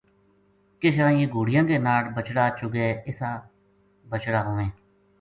کشاں یہ گھوڑیاں کے ناڑ بچڑا چُگے اِسا بچڑا ہوویں